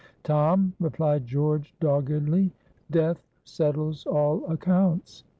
"Tom," replied George doggedly, "death settles all accounts.